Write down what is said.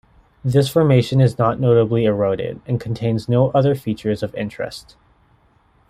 This formation is not notably eroded, and contains no other features of interest.